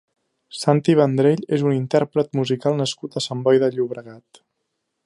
Santi Vendrell és un intérpret musical nascut a Sant Boi de Llobregat.